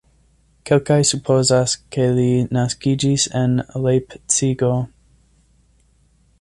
Kelkaj supozas, ke li naskiĝis en Lejpcigo.